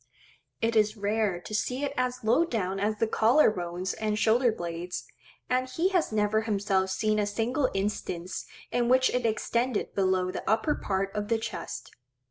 It is rare to see it as low down as the collar bones and shoulder blades; and he has never himself seen a single instance in which it extended below the upper part of the chest.